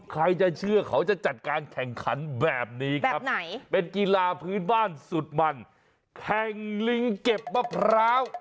ใครจะเชื่อเขาจะจัดการแข่งขันแบบนี้ครับเป็นกีฬาพื้นบ้านสุดมันแข่งลิงเก็บมะพร้าว